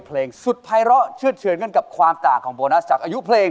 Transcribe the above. เพลงสุดภัยร้อเชื่อดเฉินกันกับความต่างของโบนัสจากอายุเพลง